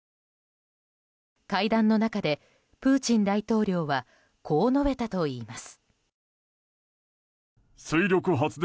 会談の中で、プーチン大統領はこう述べたといいます。